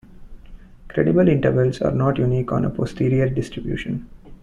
Credible intervals are not unique on a posterior distribution.